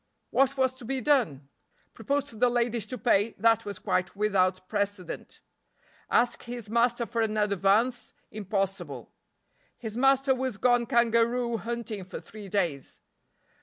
What was to be done? Propose to the ladies to pay, that was quite without precedent. Ask his master for an advance, impossible. His master was gone kangaroo hunting for three days.